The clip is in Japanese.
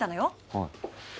はい。